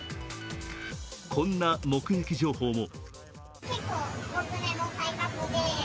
こんな目撃情報も。